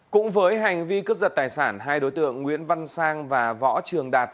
cũng với hành vi cướp giật tài sản hai đối tượng nguyễn văn sang và võ trường đạt